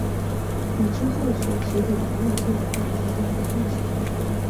比之后所提的颜料靛要来得明亮许多。